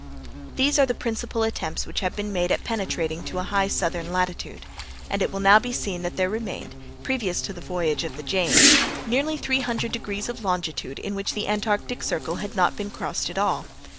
These are the principal attempts which have been made at penetrating to a high southern latitude, and it will now be seen that there remained, previous to the voyage of the Jane, nearly three hundred degrees of longitude in which the Antarctic circle had not been crossed at all.